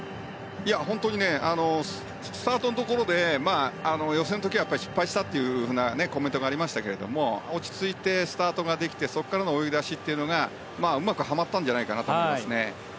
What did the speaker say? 本当にスタートのところで予選の時は失敗したというコメントがありましたけど落ち着いてスタートができてそこからの泳ぎ出しというのがうまくはまったんじゃないかなと思いますね。